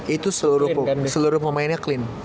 itu seluruh pemainnya clean